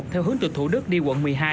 theo hướng từ thủ đức đi quận một mươi hai